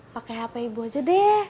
pakai hp ibu aja deh